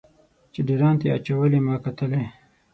چې ډیر ان ته یې اچولې ما کتلی.